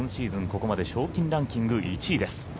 ここまで賞金ランキング１位です。